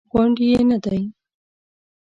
غونډ یې نه دی.